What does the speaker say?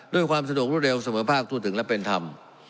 ด้วยความสะดวกรวดเร็วเสมอภาคทั่วถึงและเป็นธรรม